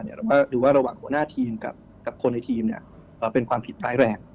เราก็ดูว่าระหว่างหัวหน้าทีมกับคนในทีมเป็นความผิดร้ายแรง